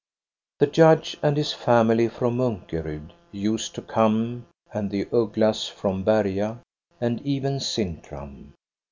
The judge and his family from M;:nkorud used to come, and the Ugglas from l^crcA. And oven Sintram.